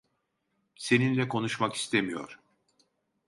Seninle konuşmak istemiyor.